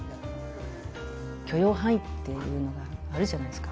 許容範囲っていうのがあるじゃないですか。